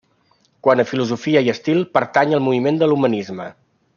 Quant a filosofia i estil pertany al moviment de l'humanisme.